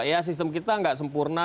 ya sistem kita nggak sempurna